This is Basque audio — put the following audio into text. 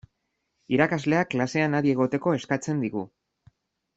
Irakasleak klasean adi egoteko eskatzen digu.